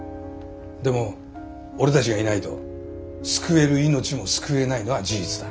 でも俺たちがいないと救える命も救えないのは事実だ。